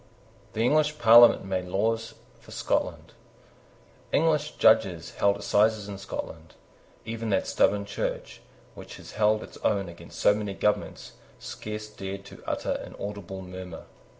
The English Parliament made laws for Scotland. English judges held assizes in Scotland. Even that stubborn Church, which has held its own against so many governments, scarce dared to utter an audible murmur.